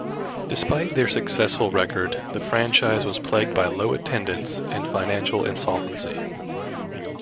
Despite their successful record, the franchise was plagued by low attendance and financial insolvency.